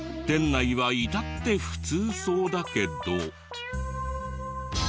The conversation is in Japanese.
店内は至って普通そうだけど。